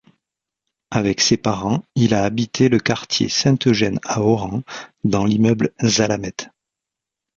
Avec ses parents, il a habité le quartier Saint-Eugène à Oran, dans l'immeuble 'Zalamette'.